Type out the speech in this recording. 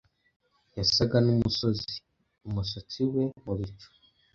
yasaga n'umusozi; umusatsi we mu bicu